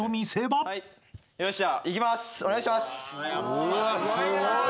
腕すごい。